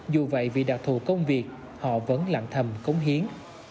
dù vậy vì đặc thù công việc họ vẫn lặng thầm cống hiến